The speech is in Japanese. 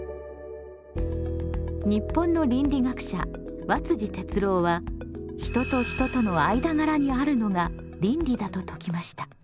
日本の倫理学者和哲郎は人と人との間柄にあるのが倫理だと説きました。